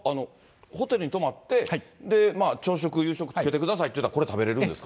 ホテルに泊まって、朝食、夕食付けてくださいいうたら、これ、食べれるんですか？